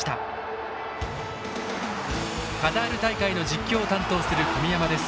カタール大会の実況を担当する小宮山です。